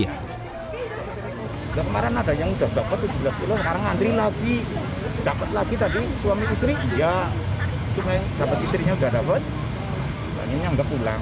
dan keluarga yang berkali kali melakukan pembelian